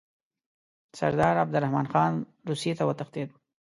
سردار عبدالرحمن خان روسیې ته وتښتېد.